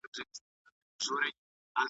او څلور ناولونه یې چاپ کړل .